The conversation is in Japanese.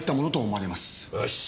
よし。